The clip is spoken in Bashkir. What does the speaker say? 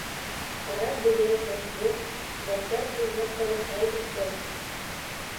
Ҡара бөҙрә сәсле, зәңгәр күҙле ҡыҙыҡай бит был!